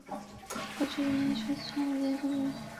本剧是闫妮首次参演的谍战剧。